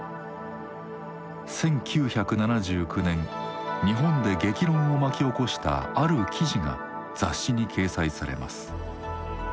１９７９年日本で激論を巻き起こしたある記事が雑誌に掲載されます。